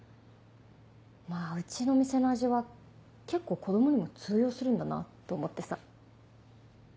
まぁうちのお店の味は結構子供にも通用するんだなと思ってさ。